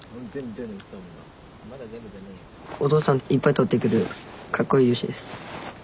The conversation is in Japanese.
お父さんいっぱい取ってくるかっこいい漁師です。